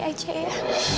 lihat sendiri aja ya